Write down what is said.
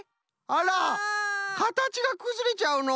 あらかたちがくずれちゃうの。